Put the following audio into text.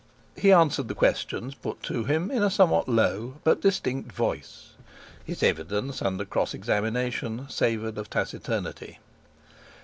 He answered the questions put to him in a somewhat low, but distinct voice. His evidence under cross examination savoured of taciturnity.